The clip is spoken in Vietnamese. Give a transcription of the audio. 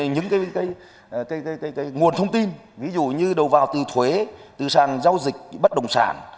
những nguồn thông tin ví dụ như đầu vào từ thuế từ sàn giao dịch bất đồng sản